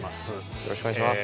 よろしくお願いします。